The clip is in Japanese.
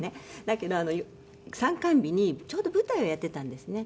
だけど参観日にちょうど舞台をやっていたんですね。